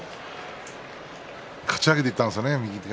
かち上げていったんですね